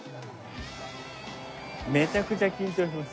めちゃくちゃ緊張します。